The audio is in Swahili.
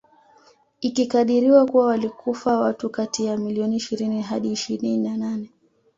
Ikikadiriwa kuwa walikufa watu kati ya milioni ishirini hadi ishirini na nane